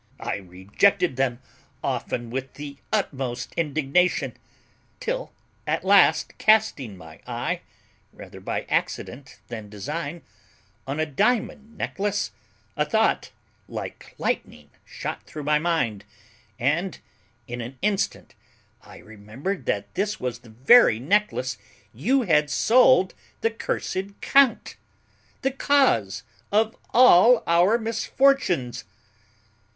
I rejected them often with the utmost indignation, till at last, casting my eye, rather by accident than design, on a diamond necklace, a thought, like lightning, shot through my mind, and, in an instant, I remembered that this was the very necklace you had sold the cursed count, the cause of all our misfortunes.